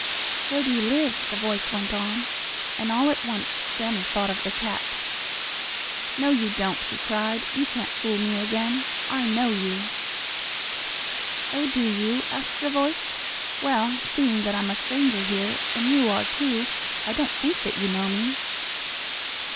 "Where do you live?" the voice went on, and, all at once, Sammie thought of the cat. "No, you don't!" he cried. "You can't fool me again. I know you!" "Oh, do you?" asked the voice. "Well, seeing that I'm a stranger here, and you are too, I don't think that you know me."